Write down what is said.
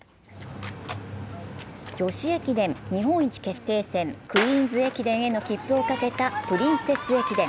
女子駅伝日本一決定戦、クイーンズ駅伝への切符をかけたプリンセス駅伝。